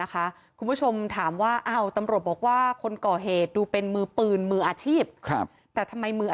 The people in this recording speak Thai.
ก็มอบทีมไปดูว่าคือ